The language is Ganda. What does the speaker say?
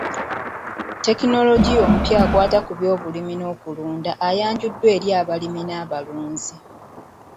Tekinologiya omupya akwata ku byobulimi n'okulunda ayanjuddwa eri abalimi n'abalunzi.